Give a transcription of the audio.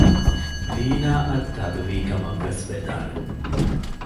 ލީނާއަށް ތަދުވީ ކަމަށްވެސް ވެދާނެ